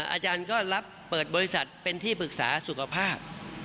อาจารย์ก็รับเปิดบริษัทเป็นที่ปรึกษาสุขภาพ